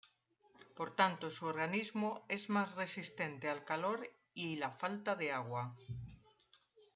Por tanto, su organismo es más resistente al calor y la falta de agua.